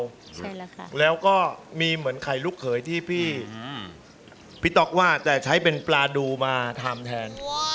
ใช่แล้วค่ะแล้วก็มีเหมือนไข่ลูกเขยที่พี่ต๊อกว่าจะใช้เป็นปลาดูมาทำแทน